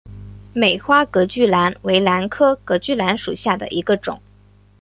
美花隔距兰为兰科隔距兰属下的一个种。